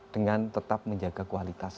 dengan tetap menjaga kualitas